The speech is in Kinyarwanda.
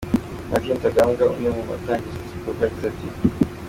Martin Rutagambwa umwe mubatangije iki gikorwa yagize ati:.